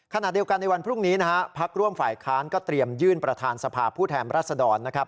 ขณะเดียวกันในวันพรุ่งนี้นะฮะพักร่วมฝ่ายค้านก็เตรียมยื่นประธานสภาผู้แทนรัศดรนะครับ